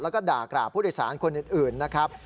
แล้วก็ด่ากราบผู้โดยสารคนอื่นนะครับ